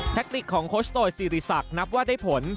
คนิคของโคชโตยสิริษักนับว่าได้ผล